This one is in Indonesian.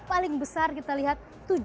paling besar kita lihat tujuh puluh lima